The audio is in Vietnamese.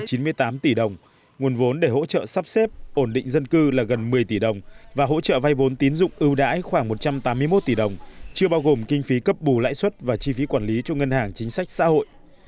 trong số gần hai trăm chín mươi tỷ đồng thực hiện đề án thì trung ương hỗ trợ trên chín mươi tỷ đồng nguồn vốn để hỗ trợ sắp xếp ổn định dân cư là gần một mươi tỷ đồng và hỗ trợ vay vốn tiến dụng ưu đãi khoảng một trăm tám mươi một tỷ đồng chưa bao gồm kinh phí cấp bù lãi suất và chi phí quản lý cho ngân hàng chính sách xã hội